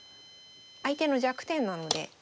相手の弱点なので。